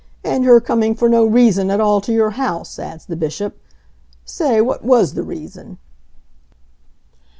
'And her coming for no reason at all to your house,' adds the Bishop.... Say, what was the reason?"